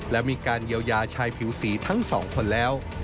และมีการเยียวยาชายผิวสีทั้งสองคนแล้ว